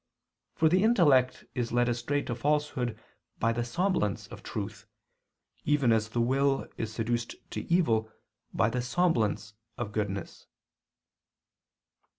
For the intellect is led astray to falsehood by the semblance of truth, even as the will is seduced to evil by the semblance of goodness.